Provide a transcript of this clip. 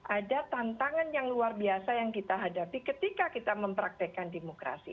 ada tantangan yang luar biasa yang kita hadapi ketika kita mempraktekkan demokrasi